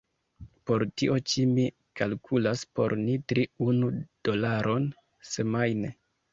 Por tio ĉi mi kalkulas por ni tri unu dolaron semajne.